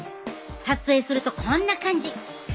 撮影するとこんな感じ。